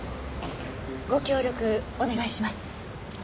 ご協力お願いします。